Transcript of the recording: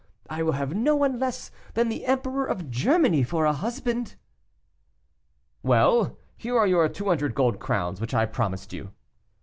I will have no one less than the Emperor of Germany for a husband." "Well; here are your 200 gold crowns which I promised you."